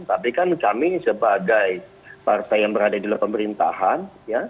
tapi kan kami sebagai partai yang berada di luar pemerintahan